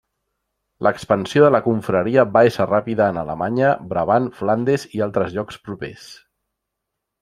L'expansió de la confraria va ésser ràpida en Alemanya, Brabant, Flandes i altres llocs propers.